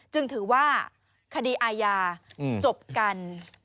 จึงถือว่าคดีอาญาจบกัน